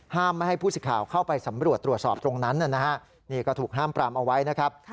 ไม่ให้ผู้สิทธิ์ข่าวเข้าไปสำรวจตรวจสอบตรงนั้นนะฮะนี่ก็ถูกห้ามปรามเอาไว้นะครับ